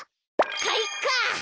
かいか！